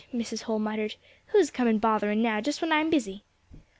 Mrs. Holl muttered, "who's a coming bothering now, just when I am busy?"